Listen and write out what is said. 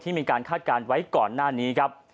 มีการคาดการณ์ไว้ก่อนหน้านี้ครับ